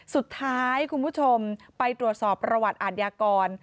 สุดท้ายคุณผู้ชมไปตรวจสอบประวัติอาทยากร